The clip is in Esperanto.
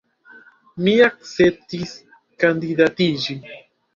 Mi akceptis kandidatiĝi.